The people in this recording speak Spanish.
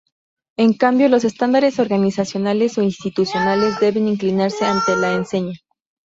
En cambio, los estandartes organizacionales o institucionales deben inclinarse ante la enseña.